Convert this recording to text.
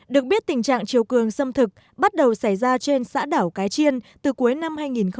được biết tình trạng chiều cường xâm thực bắt đầu xảy ra trên xã đảo cái chiên từ cuối năm hai nghìn chín